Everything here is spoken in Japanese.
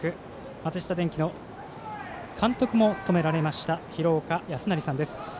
松下電器の監督も務められました廣岡資生さんです。